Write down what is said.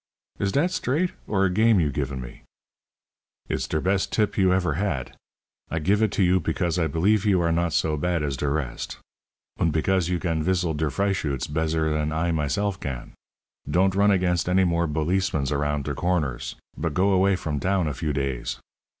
"Is dat straight, or a game you givin' me?" "It's der pest tip you efer had. I gif it to you pecause I pelief you are not so bad as der rest. Und pecause you gan visl 'Der Freischütz' bezzer dan I myself gan. Don't run against any more bolicemans aroundt der corners, but go away from town a few tays.